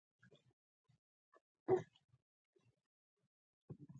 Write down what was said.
تاج پر سر کښېښود.